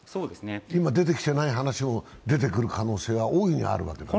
今出てきてない話しも出てくる可能性が大いにあるわけだね？